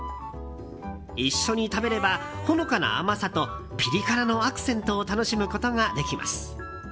一緒に食べれば、ほのかな甘さとピリ辛のアクセントを楽しむことができます。